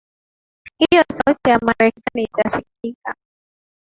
hivyo sauti ya wamarekani itasikika